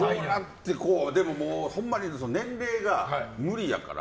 でも、ほんまに年齢が無理やから。